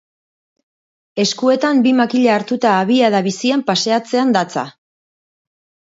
Eskuetan bi makila hartuta abiada bizian paseatzean datza.